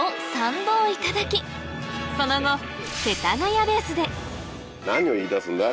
その後世田谷ベースで何を言いだすんだ？